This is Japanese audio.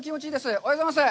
おはようございます！